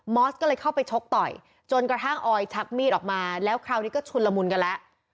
มอสซ์ก็เลยเข้าไปชกต่อยจนกระทั่งออยชักมีดลงมาและคราวนี้ก็ชูละมุนก็และ